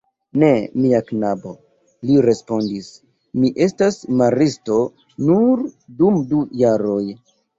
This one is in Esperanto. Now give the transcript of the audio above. Ne, mia knabo, li respondis, mi estas maristo nur dum du jaroj.